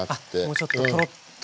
もうちょっとトロッと。